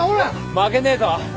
負けねえぞ。